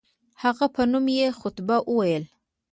هغه په نوم یې خطبه وویل.